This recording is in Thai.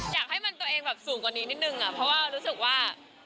อยากให้มันตัวเองหนึ่งสูงผิดหนึ่งเพราะว่า